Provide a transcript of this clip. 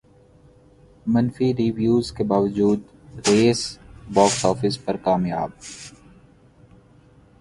منفی ریویوز کے باوجود ریس باکس افس پر کامیاب